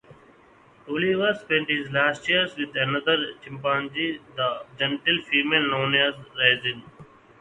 Oliver spent his last years with another chimpanzee, the gentle female known as Raisin.